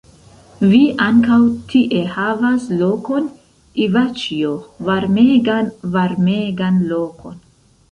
Vi ankaŭ tie havas lokon, Ivaĉjo, varmegan, varmegan lokon!